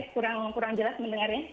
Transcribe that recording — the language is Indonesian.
oke kurang jelas mendengarnya